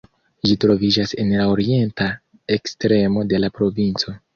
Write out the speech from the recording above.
Ĝi troviĝas en la orienta ekstremo de la provinco.